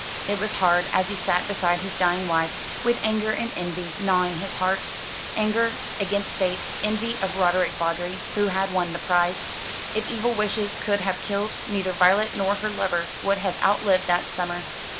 It was hard, and he sat beside his dying wife, with anger and envy gnawing his heart anger against fate, envy of Roderick Vawdrey, who had won the prize. If evil wishes could have killed, neither Violet nor her lover would have outlived that summer.